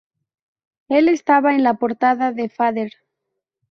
Él estaba en la portada de Fader.